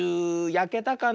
やけたかな。